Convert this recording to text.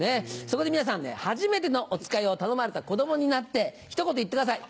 そこで皆さんはじめてのおつかいを頼まれた子供になってひと言言ってください。